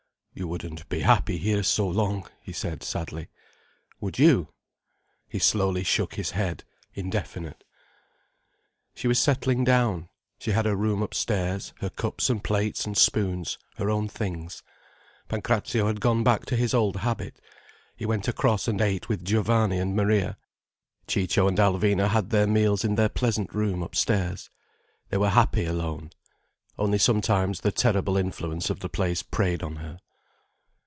"You wouldn't be happy here, so long," he said, sadly. "Would you?" He slowly shook his head: indefinite. She was settling down. She had her room upstairs, her cups and plates and spoons, her own things. Pancrazio had gone back to his old habit, he went across and ate with Giovanni and Maria, Ciccio and Alvina had their meals in their pleasant room upstairs. They were happy alone. Only sometimes the terrible influence of the place preyed on her.